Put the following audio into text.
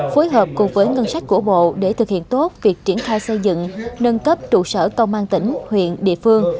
phối hợp cùng với ngân sách của bộ để thực hiện tốt việc triển khai xây dựng nâng cấp trụ sở công an tỉnh huyện địa phương